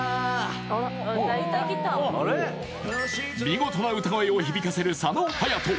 見事な歌声を響かせる佐野勇斗